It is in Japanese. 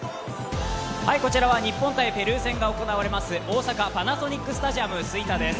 こちらは日本×ペルーが行われます大阪パナソニックスタジアム吹田です。